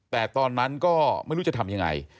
แต่ตอนนั้นก็ไม่รู้จะทำยังไง